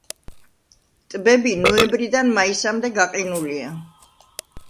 ტბები ნოემბრიდან მაისამდე გაყინულია.